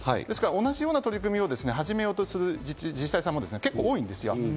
同じような取り組みを始めようとする自治体さんも結構、多いんですよ。